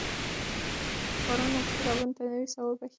باران نباتاتو او ونو ته نوې ساه وربخښي